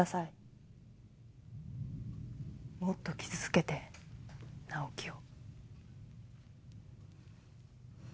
もっと傷つけて直季を。